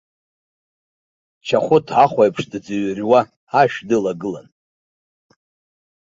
Чахәыт аҳәеиԥш дыӡрыҩуа ашә дылагылан.